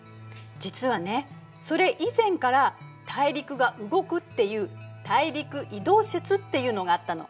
実はねそれ以前から大陸が動くっていう「大陸移動説」っていうのがあったの。